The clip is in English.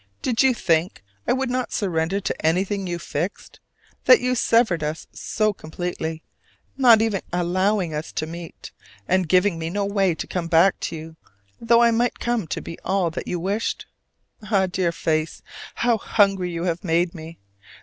Did you think I would not surrender to anything you fixed, that you severed us so completely, not even allowing us to meet, and giving me no way to come back to you though I might come to be all that you wished? Ah, dear face, how hungry you have made me!